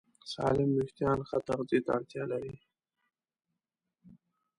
سالم وېښتيان ښه تغذیه ته اړتیا لري.